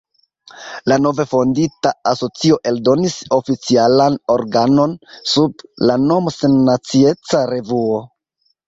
La nove fondita asocio eldonis oficialan organon, sub la nomo "Sennacieca Revuo".